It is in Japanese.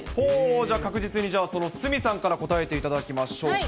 じゃあ、確実に、その鷲見さんから答えていただきましょう。